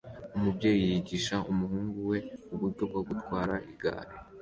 Umubyeyi yigisha umuhungu we uburyo bwo gutwara igare